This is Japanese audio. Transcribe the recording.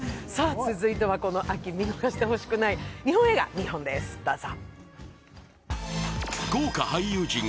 続いてはこの秋、見逃してほしくない日本映画２本です、どうぞ。